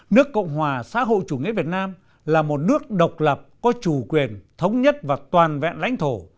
nước cộng hòa xã hội chủ nghĩa việt nam là một nước độc lập có chủ quyền thống nhất và toàn vẹn lãnh thổ